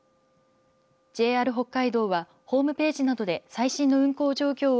ＪＲ北海道はホームページなどで最新の運行状況を